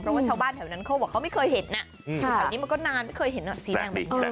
เพราะว่าชาวบ้านแถวนั้นเขาบอกเขาไม่เคยเห็นนะอืมทางนี้มันก็นานไม่เคยเห็นหน้าสีแดงเป็นใบี่อย่างนี้